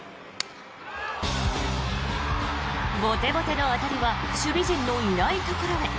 ボテボテの当たりは守備陣のいないところへ。